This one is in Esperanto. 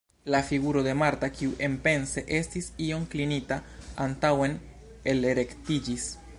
La figuro de Marta, kiu enpense estis iom klinita antaŭen, elrektiĝis.